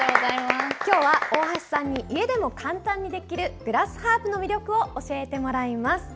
今日は、大橋さんに家でも簡単にできるグラスハープの魅力を教えてもらいます。